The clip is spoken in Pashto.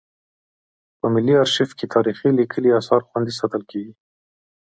په ملي ارشیف کې تاریخي لیکلي اثار خوندي ساتل کیږي.